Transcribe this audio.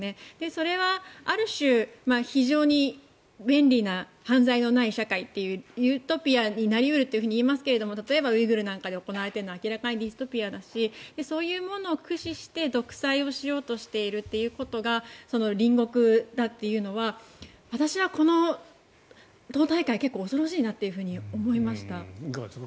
それはある種、非常に便利な犯罪のない社会というユートピアになり得るといいますが例えばウイグルで行われているのは行われているのは明らかにディストピアだしそういうのを駆使して独裁をしようとしているということが隣国だというのは私はこの党大会結構、恐ろしいなと思いました。